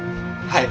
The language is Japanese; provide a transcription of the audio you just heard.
はい！